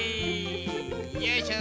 よいしょ。